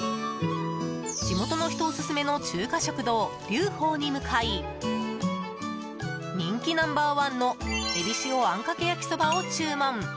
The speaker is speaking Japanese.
地元の人オススメの中華食堂龍鳳に向かい人気ナンバー１のエビ塩あんかけ焼きそばを注文。